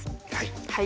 はい。